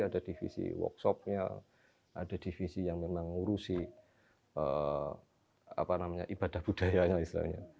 ada divisi workshopnya ada divisi yang memang ngurusi ibadah budayanya istilahnya